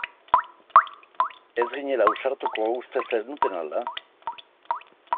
Ez ginela ausartuko uste zenuten ala?